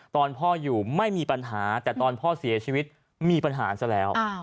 ตอนพ่ออยู่ไม่มีปัญหาแต่ตอนพ่อเสียชีวิตมีปัญหาซะแล้ว